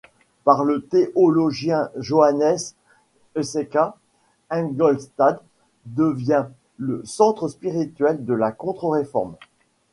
Par le théologien Johannes Eck, Ingolstadt devient le centre spirituel de la Contre-Réforme.